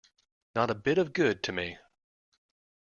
Not a bit of good to me.